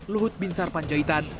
luhut bin sarpanjaitan